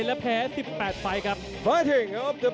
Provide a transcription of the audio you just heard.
และภูมิให้คุณได้